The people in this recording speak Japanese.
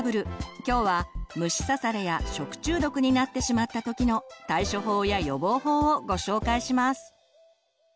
今日は「虫刺され」や「食中毒」になってしまった時の対処法や予防法をご紹介します！